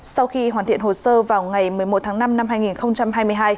sau khi hoàn thiện hồ sơ vào ngày một mươi một tháng năm năm hai nghìn hai mươi hai